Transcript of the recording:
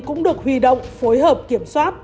cũng được huy động phối hợp kiểm soát